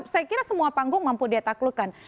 saya kira semua panggung mampu ditaklukkan